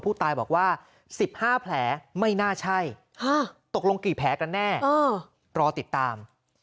ผู้ตายบอกว่า๑๕แผลไม่น่าใช่ตกลงกี่แผลกันแน่รอติดตาม